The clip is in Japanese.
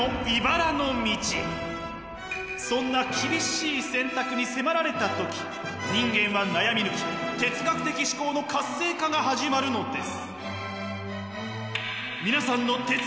そんな厳しい選択に迫られた時人間は悩み抜き哲学的思考の活性化が始まるのです。